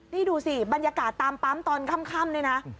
นี่ดูสิบรรยากาศตามปั๊มตอนค่ำนี่นะ